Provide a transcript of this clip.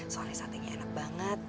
soalnya satenya enak banget